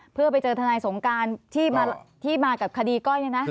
เพื่อไปเจอทนายสงการที่มากับคดีก้อยเนี่ยนะ